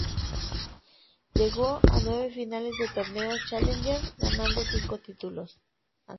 Llegó a nueve finales de torneos challenger, ganando cinco títulos.